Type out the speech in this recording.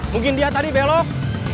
mungkin dia tadi belok